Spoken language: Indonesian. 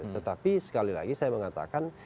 tetapi sekali lagi saya mengatakan